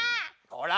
こら！